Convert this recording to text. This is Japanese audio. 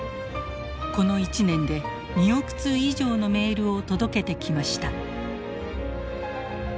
この１年で２億通以上のメールを届けてきました。